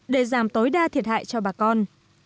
để giảm tối đa thiệt hại cho bà con